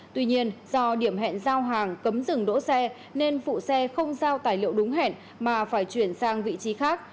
tuy nhiên do điểm hẹn giao hàng cấm dừng đỗ xe nên phụ xe không giao tài liệu đúng hẹn mà phải chuyển sang vị trí khác